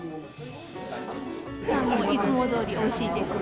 もういつもどおり、おいしいです。